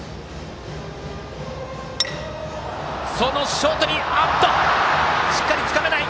ショートがしっかりつかめない。